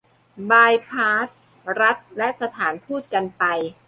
บายพาสรัฐและสถานทูตกันไป